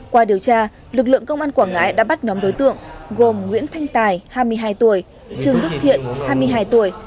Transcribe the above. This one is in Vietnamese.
qua điều tra lực lượng công an quảng ngãi đã bắt nhóm đối tượng gồm nguyễn thanh tài hai mươi hai tuổi trương đức thiện hai mươi hai tuổi